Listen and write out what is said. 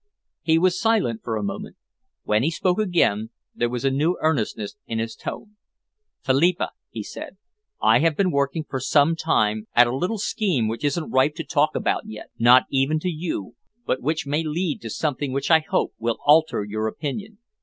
He was silent for a moment. When he spoke again there was a new earnestness in his tone. "Philippa," he said, "I have been working for some time at a little scheme which isn't ripe to talk about yet, not even to you, but which may lead to something which I hope will alter your opinion.